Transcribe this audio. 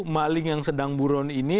maling yang sedang buron ini